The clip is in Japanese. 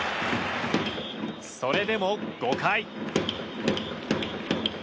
それでも５回。